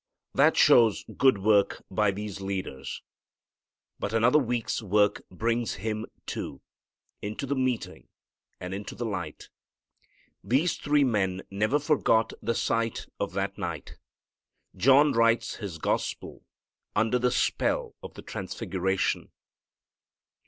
That shows good work by these leaders. But another week's work brings him, too, into the meeting and into the light. These three men never forgot the sight of that night. John writes his Gospel under the spell of the transfiguration.